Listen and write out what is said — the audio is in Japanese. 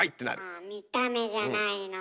あ見た目じゃないのよ。